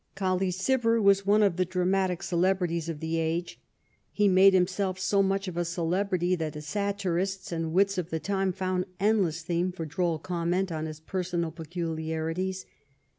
Colley Cibber was one of the dramatic celebrities of the age. He made himself so much of a celebrity that the satirists and wits of the time found endless theme for droll comment in his personal peculiarities.